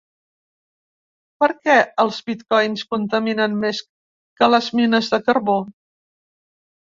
Per què els bitcoins contaminen més que les mines de carbó?